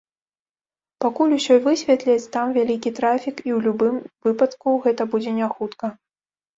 Пакуль усё высвятляць, там вялікі трафік, і ў любым выпадку, гэта будзе няхутка.